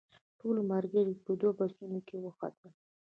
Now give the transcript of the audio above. ټول ملګري په دوو بسونو کې وختل.